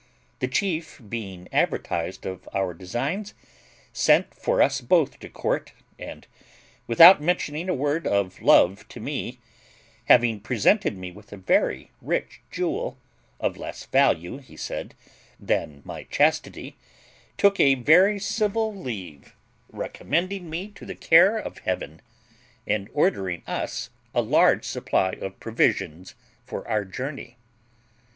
The chief, being advertised of our designs, sent for us both to court, and, without mentioning a word of love to me, having presented me with a very rich jewel, of less value, he said, than my chastity, took a very civil leave, recommending me to the care of heaven, and ordering us a large supply of provisions for our journey.